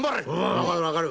分かる、分かる。